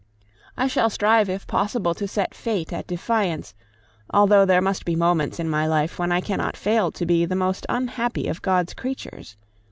I shall strive if possible to set Fate at defiance, although there must be moments in my life when I cannot fail to be the most unhappy of God's creatures.